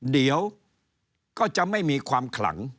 เดี๋ยวก็จะไม่มีความขลัง